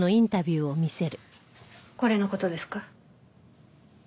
これの事ですか？